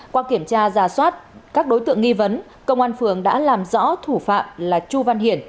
qua kiểm tra giả soát các đối tượng nghi vấn công an phường đã làm rõ thủ phạm là chu văn hiển